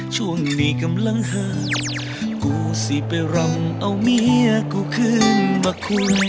ช่วงนี้กำลังห่างกูสิไปรำเอาเมียกูขึ้นมาคุย